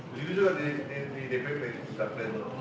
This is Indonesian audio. di situ juga di dpp secara plenum